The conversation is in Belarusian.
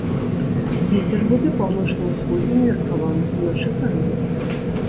Вецер будзе паўночна-ўсходні ўмеркаваны, уначы парывісты.